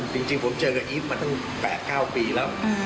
จริงผมเจอกับอีฟมาตั้ง๘๙ปีแล้ว